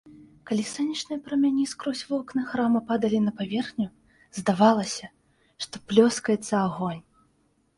Калі сонечныя прамяні скрозь вокны храма падалі на паверхню, здавалася, што плёскаецца агонь.